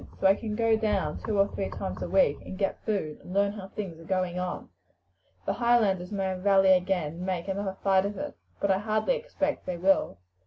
So I can go down two or three times a week and get food, and learn how things are going on. The Highlanders may rally again and make another fight of it; but I hardly expect they will.